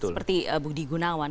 seperti budi gunawan